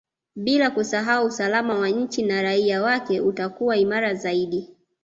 Bila kusahau usalama wa nchi na raia wake utakuwa imara zaidi